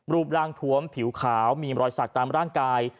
รูปร่างทวมผิวขาวมีรอยสักตามร่างกาย